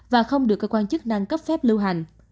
và không được cơ quan chức năng cấp phép lưu hành